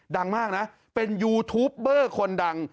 ดังมากนะเป็นยูทูปเบอร์คนดัง